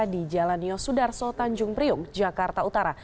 di jalan nio sudarso tanjung priung jakarta utara